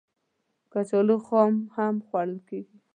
کچالو خام هم خوړل کېږي